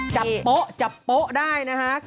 จับโป๊ะจับโป๊ะได้นะครับ